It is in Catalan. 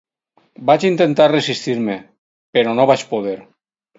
Vaig intentar resistir-me però no vaig poder.